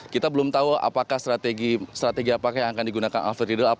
kita belum tahu apakah strategi apakah yang akan digunakan alfred riedel